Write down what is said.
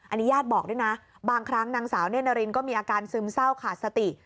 อันนี้ญาติบอกด้วยนะบางครั้งนางสาวเน่นนารินก็มีอาการซึมเศร้าขาดสติ